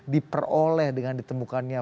diperoleh dengan ditemukannya